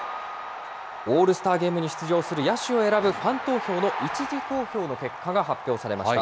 オールスターゲームに出場する野手を選ぶファン投票の１次投票の結果が発表されました。